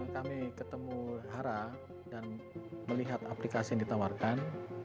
kami ketemu hara dan melihat aplikasi yang ditawarkan